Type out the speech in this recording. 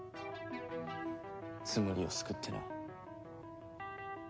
ツムリを救ってな。